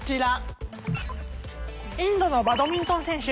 インドのバドミントン選手